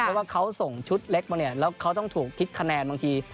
เพราะว่าเขาส่งชุดเล็กมาเนี่ยแล้วเขาต้องถูกคิดคะแนนบางที